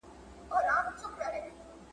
دوی غواړي واړه بندونه جوړ کړي.